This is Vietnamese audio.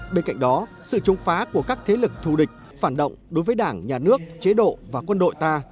bên cạnh đó sự chống phá của các thế lực thù địch phản động đối với đảng nhà nước chế độ và quân đội ta